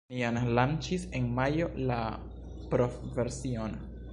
Ni jam lanĉis en majo la provversion.